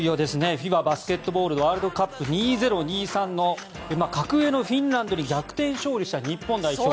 ＦＩＢＡバスケットボールワールドカップ２０２３の格上のフィンランドに逆転勝利した日本代表。